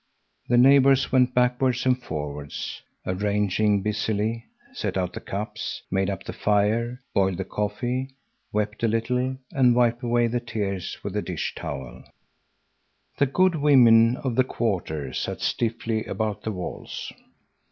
The neighbors went backwards and forwards, arranging busily, set out the cups, made up the fire, boiled the coffee, wept a little and wiped away the tears with the dish towel. The good women of the quarter sat stiffly about the walls.